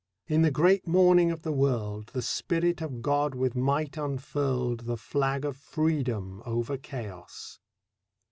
In the great morning of the world, The Spirit of God with might unfurled The flag of Freedom over Chaos.